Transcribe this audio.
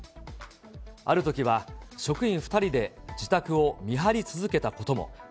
あるときは職員２人で自宅を見張り続けたことも。